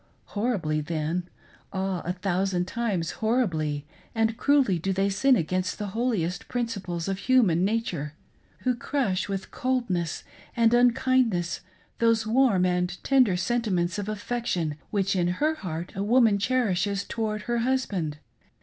Horribly then, Ah, a thousand times horribly and cruelly do they sin against the holiest principles of human na ture, who crush with coldness and unkindness those warm and tender sentiments of affection which in her heart a woman cherishes towards her husband.